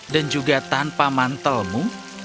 dan juga tanpa mantelmu